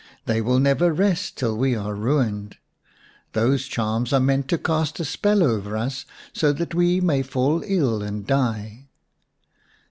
They will never rest till we are ruined. Those charms are meant to cast a spell over us, so that we may fall ill and die."